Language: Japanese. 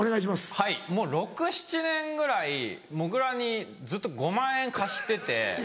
はいもう６７年ぐらいもぐらにずっと５万円貸してて。